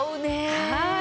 はい！